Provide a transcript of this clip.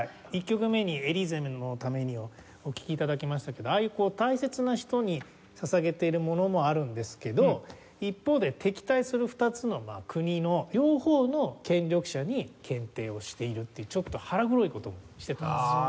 １曲目に『エリーゼのために』をお聴き頂きましたけどああいう大切な人に捧げているものもあるんですけど一方で敵対する２つの国の両方の権力者に献呈をしているっていうちょっと腹黒い事もしてたんですよ。